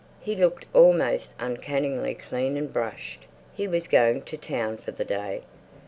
He looked almost uncannily clean and brushed; he was going to town for the day.